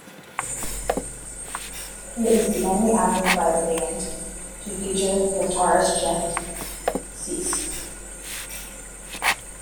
It is the only album by the band to feature guitarist Jeff Cease.